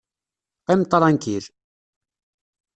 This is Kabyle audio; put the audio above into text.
Qqim tṛankil!